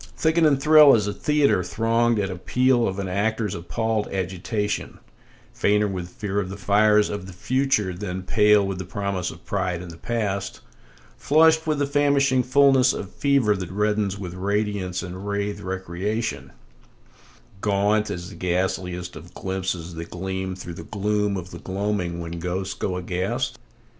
Thicken and thrill as a theatre thronged at appeal of an actor's appalled agitation, Fainter with fear of the fires of the future than pale with the promise of pride in the past; Flushed with the famishing fullness of fever that reddens with radiance and rathe* recreation, [speedy] Gaunt as the ghastliest of glimpses that gleam through the gloom of the gloaming when ghosts go aghast?